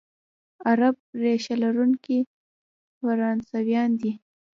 عرب ریشه لرونکي فرانسویان دي،